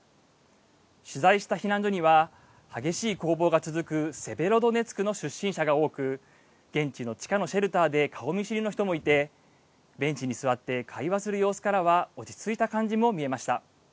取材した避難所には激しい攻防が続くセベロドネツクの出身者が多く現地の地下のシェルターで顔見知りの人もいてベンチに座って会話する様子からは落ち着いた感じも見えました。